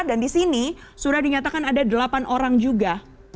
dan di sini sudah dinyatakan ada delapan orang juga